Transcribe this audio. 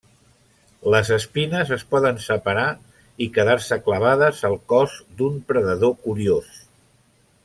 Les espines es poden separar i quedar-se clavades al cos d'un predador curiós.